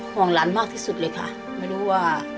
ห่วงหลานมากที่สุดเลยค่ะ